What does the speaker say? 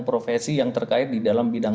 profesi yang terkait di dalam bidang